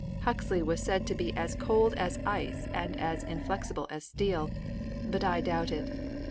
Huxley was said to be as cold as ice and as inflexible as steel; but I doubt it.